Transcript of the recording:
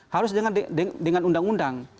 harus dengan undang undang